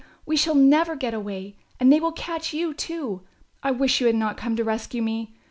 We shall never get away, and they will catch you, too. I wish you had not come to rescue me.